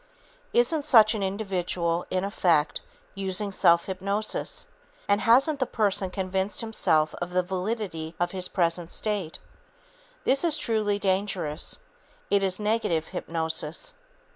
Isn't such an individual, in effect, using self hypnosis? And hasn't the person convinced himself of the validity of his present state? This is truly dangerous. It is negative hypnosis.